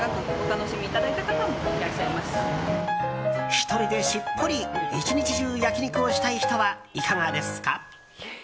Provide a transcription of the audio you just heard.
１人でしっぽり１日中、焼き肉をしたい人はいかがですか？